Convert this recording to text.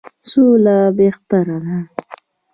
سوله بهتره ده.